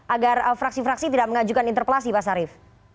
agar fraksi fraksi tidak mengajukan interpelasi pak sarif